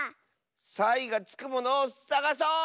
サイがつくものをさがそう！